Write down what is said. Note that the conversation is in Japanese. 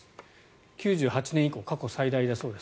９８年以降過去最大だそうです。